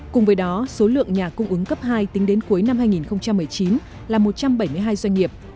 cùng với đó số lượng nhà cung ứng cấp hai tính đến cuối năm hai nghìn một mươi chín là một trăm bảy mươi hai doanh nghiệp